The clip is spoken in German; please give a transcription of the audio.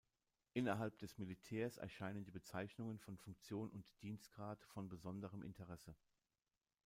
Innerhalb des Militärs erscheinen die Bezeichnungen von Funktion und Dienstgrad von besonderem Interesse.